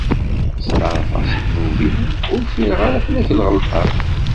Setɛerfeɣ s ddnub-iw, ur ffireɣ ara fell-ak lɣelṭa-w.